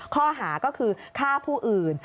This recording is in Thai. ข้อหาก็คือฆ่าผู้อื่น